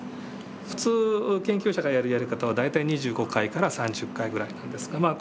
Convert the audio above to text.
普通研究者がやるやり方は大体２５回から３０回ぐらいなんですがまあ